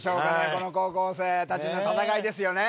この高校生たちの戦いですよね